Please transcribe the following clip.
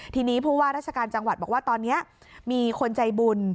ทีนี้ผู้ว่าราชการจังหวัดบอกว่าตอนนี้มีคนใจบุญ